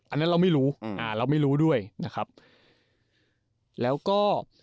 อันนั้นเราไม่รู้อ่าเราไม่รู้ด้วยนะครับแล้วก็